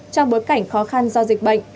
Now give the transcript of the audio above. trong bối cảnh khó khăn do dịch bệnh